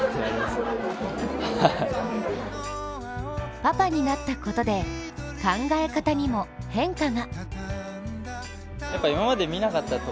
パパになったことで、考え方にも変化が。